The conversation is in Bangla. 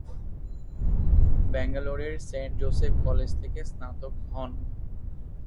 ব্যাঙ্গালোরের সেন্ট জোসেফ কলেজ থেকে স্নাতক হন।